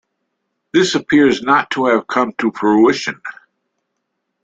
This appears not to have come to fruition.